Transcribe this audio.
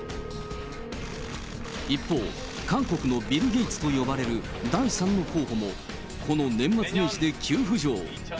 一方、韓国のビル・ゲイツと呼ばれる第３の候補も、この年末年始で急浮上。